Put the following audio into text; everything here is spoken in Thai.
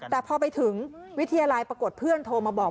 แต่พอไปถึงวิทยาลัยปรากฏเพื่อนโทรมาบอก